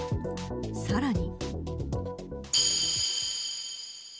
さらに。